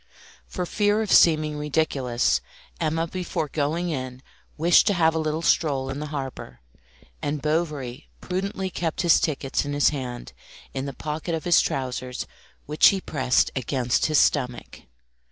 For fear of seeming ridiculous, Emma before going in wished to have a little stroll in the harbour, and Bovary prudently kept his tickets in his hand, in the pocket of his trousers, which he pressed against his stomach.